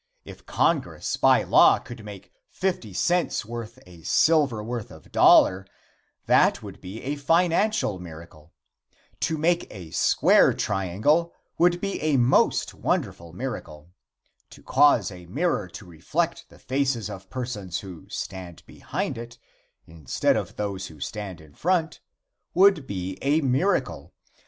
If Congress by law would make fifty cents worth of silver worth a dollar, that would be a financial miracle. To make a square triangle would be a most wonderful miracle. To cause a mirror to reflect the faces of persons who stand behind it, instead of those who stand in front, would be a miracle.